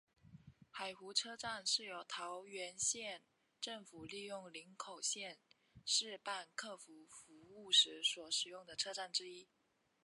海湖车站是桃园县政府利用林口线试办客运服务时所使用的车站之一。